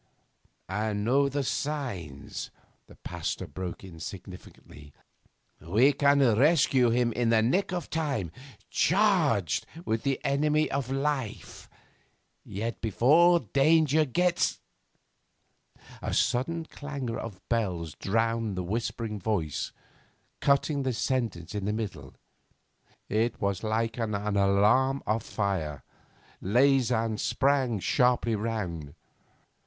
'I know the signs,' the Pasteur broke in significantly. 'We can rescue him in the nick of time charged with energy and life, yet before the danger gets ' A sudden clangour of bells drowned the whispering voice, cutting the sentence in the middle. It was like an alarm of fire. Leysin sprang sharply round.